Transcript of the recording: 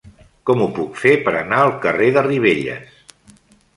Com ho puc fer per anar al carrer de Ribelles?